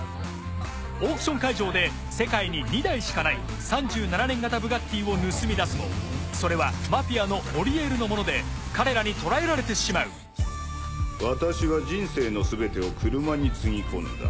オークション会場で世界に２台しかない３７年型ブガッティを盗みだすもそれはマフィアのモリエールのもので彼らに捕らえられてしまう私は人生のすべてを車につぎ込んだ。